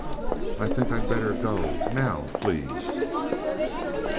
"I think I'd better go, now, please."